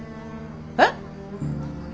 えっ。